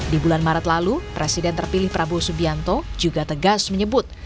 di bulan maret lalu presiden terpilih prabowo subianto juga tegas menyebut